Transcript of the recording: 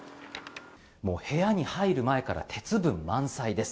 もう部屋に入る前から鉄分、満載です。